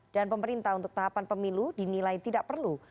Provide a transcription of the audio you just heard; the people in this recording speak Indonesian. dan pemerintah untuk tahapan pemilu dinilai tidak perlu